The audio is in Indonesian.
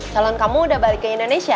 salon kamu sudah balik ke indonesia